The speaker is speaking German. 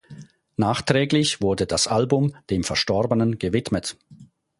Nachträglich wurde das Album dem Verstorbenen gewidmet.